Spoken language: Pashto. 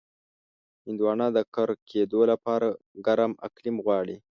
هندوانه د کر کېدو لپاره ګرم اقلیم غواړي.